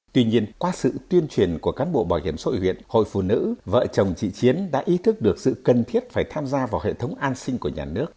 tuy nhiên qua sự tuyên truyền của cán bộ bảo hiểm xã hội huyện hội phụ nữ vợ chồng chị chiến đã ý thức được sự cần thiết phải tham gia vào hệ thống an sinh của nhà nước